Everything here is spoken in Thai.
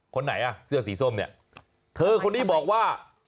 คนไหนอ่ะเสื้อสีส้มเนี่ยเธอคนนี้บอกว่า